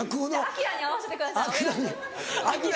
アキラに会わせてください。